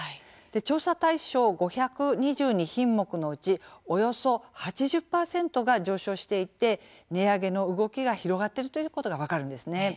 調査対象５２２品目のうちおよそ８０％が上昇していて値上げの動きが広がっているということが分かるんですね。